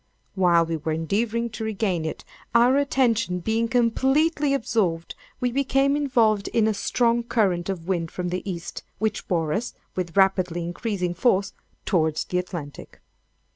While we were endeavoring to regain it, our attention being completely absorbed, we became involved in a strong current of wind from the East, which bore us, with rapidly increasing force, towards the Atlantic.